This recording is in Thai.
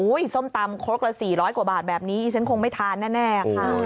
ส้มตำครกละ๔๐๐กว่าบาทแบบนี้ดิฉันคงไม่ทานแน่ค่ะ